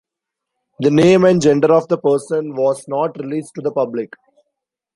The name and gender of the person was not released to the public.